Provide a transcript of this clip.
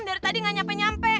dari tadi nggak nyampe nyampe